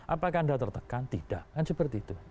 apakah anda tertekan tidak kan seperti itu